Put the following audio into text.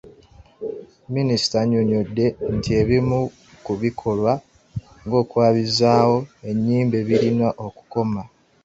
Minisita annyonnyodde nti ebimu ku bikolwa ng’okwabizaawo ennyimbe birina okukoma.